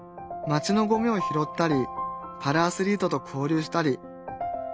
街のゴミを拾ったりパラアスリートと交流したり。